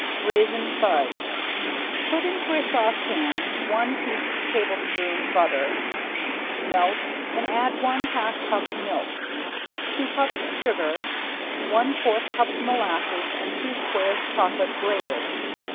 ~RAISIN FUDGE~ Put into a saucepan one heaped tablespoon butter, melt and add one half cup milk, two cups sugar, one fourth cup molasses and two squares chocolate grated.